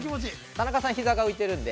◆田中さん、ひざが浮いてるので。